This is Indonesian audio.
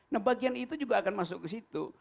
nah bagian itu juga akan masuk ke situ